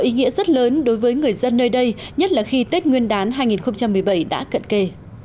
ý nghĩa rất lớn đối với người dân nơi đây nhất là khi tết nguyên đán hai nghìn một mươi bảy đã cận kề